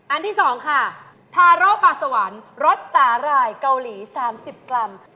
ที่๒ค่ะทาร่อปลาสวรรค์รสสาหร่ายเกาหลี๓๐กรัม